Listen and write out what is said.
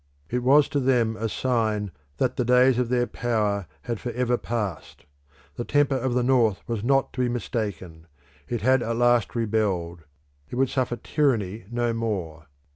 It was to them a sign that the days of their power had for ever passed. The temper of the North was not to be mistaken. It had at last rebelled; it would suffer tyranny no more.